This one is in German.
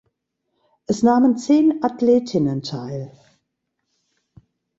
Es nahmen zehn Athletinnen teil.